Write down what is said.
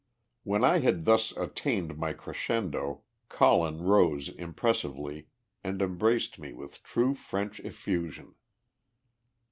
When I had thus attained my crescendo, Colin rose impressively, and embraced me with true French effusion.